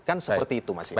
kan seperti itu mas